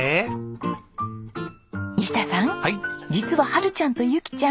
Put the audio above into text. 実はハルちゃんとユキちゃん